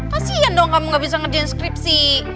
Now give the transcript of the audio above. kasian dong kamu gak bisa ngerjain skripsi